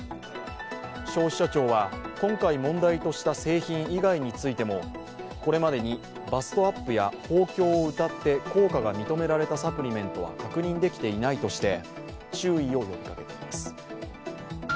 消費者庁は、今回問題とした製品以外についてもこれまでにバストアップや豊胸をうたって効果が認められたサプリメントは確認できていないとして注意を呼びかけています。